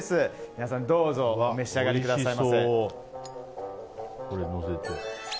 皆さんどうぞお召し上がりください。